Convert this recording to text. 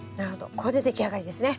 これで出来上がりですね。